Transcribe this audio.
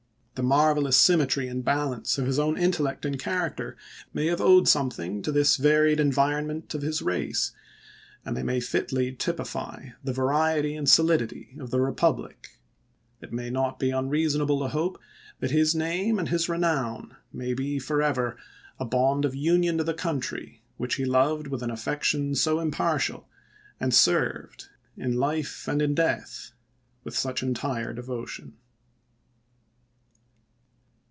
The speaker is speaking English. The marvelous sym metry and balance of his intellect and character may have owed something to this varied envi 356 ABKAHAM LINCOLN ch. xviii. ronment of his race, and they may fitly typify the variety and solidity of the Republic. It may not be unreasonable to hope that his name and his renown may be forever a bond of union to the country which he loved with an affection so impartial, and served, in life and in death, with such entire devotion.